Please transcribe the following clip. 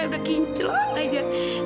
ya udah kincelan aja